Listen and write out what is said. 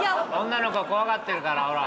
女の子怖がってるからほら。